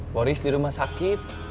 boris di rumah sakit